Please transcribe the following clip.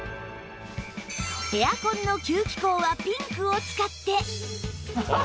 エアコンの吸気口はピンクを使って